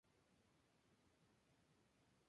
Un mes atrás, ambos se habían encontrado en una isla.